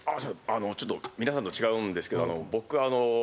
ちょっと皆さんと違うんですけど。